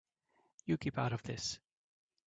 You keep out of this.